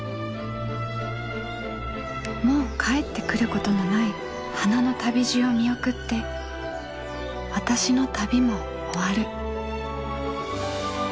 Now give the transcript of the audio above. もう帰ってくることのない花の旅路を見送って私の旅も終わる。